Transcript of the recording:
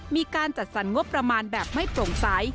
มีการจัดสรรงบประมาณแบบไม่โปร่งใส